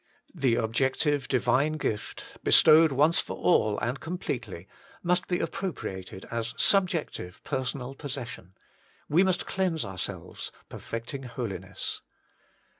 The objec tive Divine gift, bestowed once for all and com pletely, must be appropriated as a subjective personal possession ; we must cleanse ourselves, perfecting holiness.